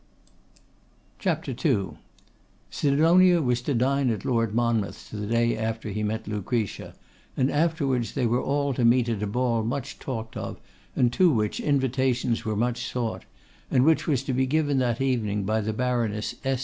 Sidonia was to dine at Lord Monmouth's the day after he met Lucretia, and afterwards they were all to meet at a ball much talked of, and to which invitations were much sought; and which was to be given that evening by the Baroness S.